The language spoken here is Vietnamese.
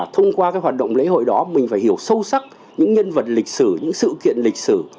thông qua hoạt động lễ hội đó mình phải hiểu sâu sắc những nhân vật lịch sử những sự kiện lịch sử